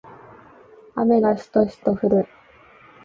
雨がしとしと降る